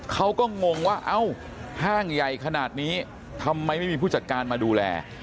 งงว่าเอ้าห้างใหญ่ขนาดนี้ทำไมไม่มีผู้จัดการมาดูแล